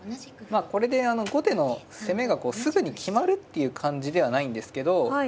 まあこれで後手の攻めがすぐに決まるっていう感じではないんですけどまあ